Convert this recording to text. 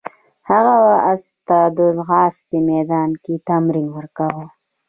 هغه اس ته د ځغاستې میدان کې تمرین ورکاوه.